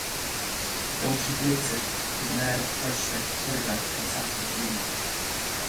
Sheol siad litir chuig an Aire Poist agus Teileagraif an tseachtain chéanna.